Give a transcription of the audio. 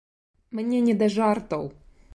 Мне не да жартаў!